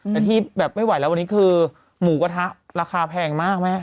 แต่ที่แบบไม่ไหวแล้ววันนี้คือหมูกระทะราคาแพงมากแม่